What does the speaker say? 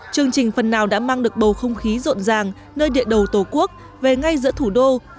chương trình phần nào đã mang được bầu không khí rộn ràng nơi địa đầu tổ quốc về ngay giữa thủ đô